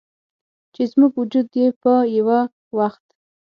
چې زموږ وجود یې په یوه وخت